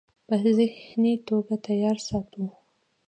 پۀ ذهني توګه تيار ساتو -